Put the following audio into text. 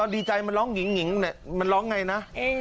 ดีใจมันร้องหญิงมันร้องไงนะ